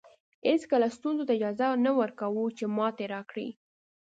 هېڅکله ستونزو ته اجازه نه ورکوو چې ماتې راکړي.